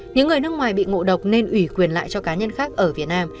những người nước ngoài bị ngộ độc nên ủy quyền lại cho cá nhân khác ở việt nam